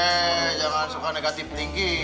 eh jangan suka negatif tinggi